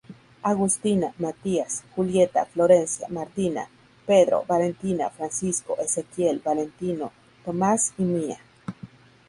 Agustina, Matias, Julieta, Florencia, Martina, Pedro, Valentina, Francisco, Ezequiel, Valentino, Tomás y Mía.